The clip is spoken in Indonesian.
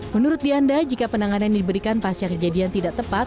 menurut dianda jika penanganan diberikan pasca kejadian tidak tepat